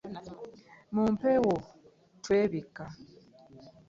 Mu mpewo twebikka.